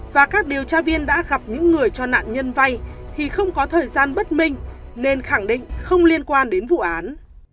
và các điều tra viên đã gặp những người cho nạn nhân vay thì không có thời gian bất minh nên khẳng định không liên quan đến vụ án